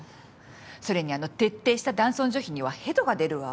それにあの徹底した男尊女卑にはヘドが出るわ。